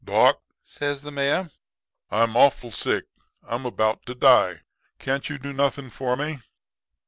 "'Doc,' says the Mayor, 'I'm awful sick. I'm about to die. Can't you do nothing for me?'